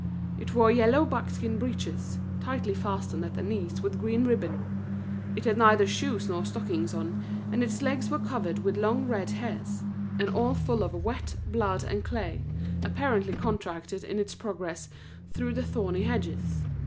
It wore yellow buckskin breeches, tightly fastened at the knees with green ribbon; it had neither shoes nor stockings on, and its legs were covered with long, red hairs, and all full of wet, blood, and clay, apparently contracted in its progress through the thorny hedges.